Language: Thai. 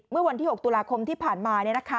เมื่อวันที่๖ตุลาคมที่ผ่านมา